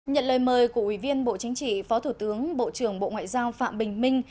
nhận lời mời của ủy viên bộ chính trị phó thủ tướng bộ trưởng bộ ngoại giao phạm bình minh